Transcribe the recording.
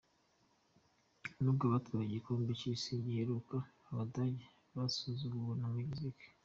Nubwo batwaye igikombe cy’isi giheruka, Abadage basuzuguwe na Mexico.